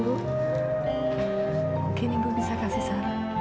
mungkin ibu bisa kasih saran